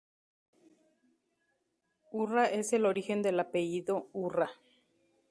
Urra es el origen del apellido Urra.